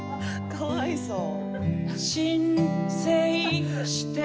かわいそう。